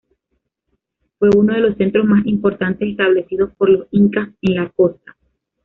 Fue uno de los centros más importantes establecidos por los incas en la costa.